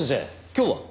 今日は？